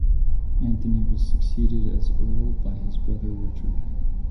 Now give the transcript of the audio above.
Anthony was succeeded as earl by his brother, Richard.